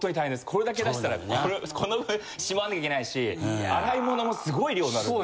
これだけ出したらこの分しまわなきゃいけないし洗い物もすごい量なるんで。